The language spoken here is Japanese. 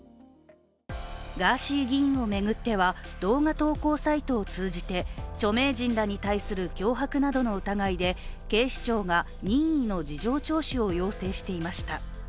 ガーシー議員を巡っては動画投稿サイトを巡って著名人らに対する脅迫などの疑いで警視庁が任意の事情聴取を要請していました。